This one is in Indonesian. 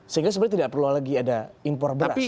sehingga sebenarnya tidak perlu lagi ada impor beras